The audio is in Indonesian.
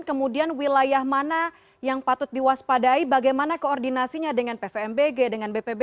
kemudian wilayah mana yang patut diwaspadai bagaimana koordinasinya dengan pvmbg dengan bpb